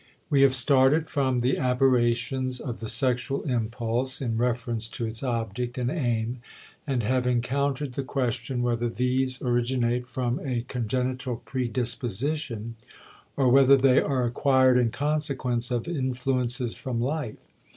We have started from the aberrations of the sexual impulse in reference to its object and aim and have encountered the question whether these originate from a congenital predisposition, or whether they are acquired in consequence of influences from life.